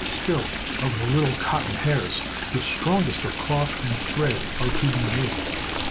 Still, of the little cotton hairs the strongest of cloth and thread are to be made.